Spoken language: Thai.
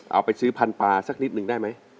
เอาไปซื้อพันธุ์ปลาศักดิ์นิดหนึ่งได้มั้ย